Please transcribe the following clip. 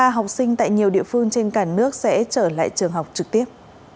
ba học sinh tại nhiều địa phương trên cả nước sẽ trở lại trường học trực tiếp